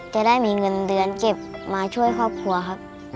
จะได้มีเงินเดือนเก็บมาช่วยครอบครัวครับ